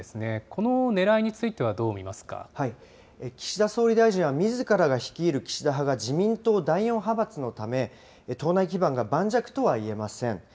このねらいについては、どう見ま岸田総理大臣は、みずからが率いる岸田派が自民党第４派閥のため、党内基盤が盤石とは言えません。